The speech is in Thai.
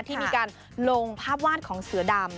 ที่มีการลงภาพวาดของเสือดำ